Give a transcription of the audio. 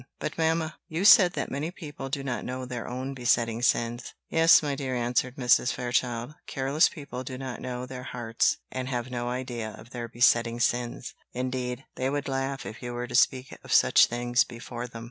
But mamma, you said that many people do not know their own besetting sins." "Yes, my dear," answered Mrs. Fairchild. "Careless people do not know their hearts, and have no idea of their besetting sins; indeed, they would laugh if you were to speak of such things before them."